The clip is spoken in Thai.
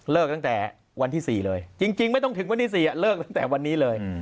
ตั้งแต่วันที่๔เลยจริงไม่ต้องถึงวันที่๔เลิกตั้งแต่วันนี้เลย